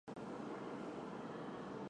范围包括帕拉州东北部。